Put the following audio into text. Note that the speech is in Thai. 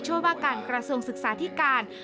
ว่าการกระทรวงศึกษาธิการ